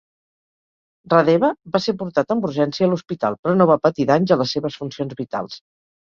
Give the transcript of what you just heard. Radebe va ser portat amb urgència a l'hospital, però no va patir danys a les seves funcions vitals.